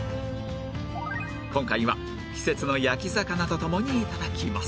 今回は季節の焼き魚と共に頂きます